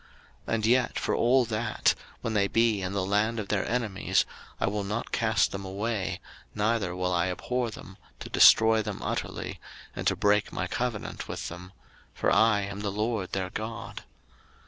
03:026:044 And yet for all that, when they be in the land of their enemies, I will not cast them away, neither will I abhor them, to destroy them utterly, and to break my covenant with them: for I am the LORD their God.